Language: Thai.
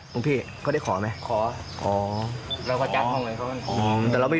หลุงพี่เขาได้ขอไหม